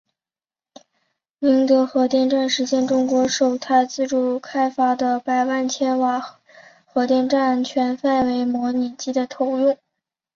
宁德核电站实现中国首台自主开发的百万千瓦级核电站全范围模拟机的投用。